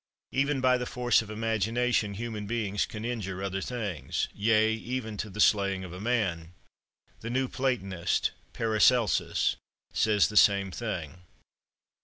Even by the force of imagination, human beings can injure other things; yea, even to the slaying of a man!" (The new platonist, Paracelsus, says the same thing.)